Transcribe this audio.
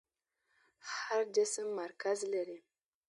هر جسم مرکز لري.